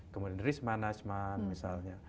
kemudian risk management misalnya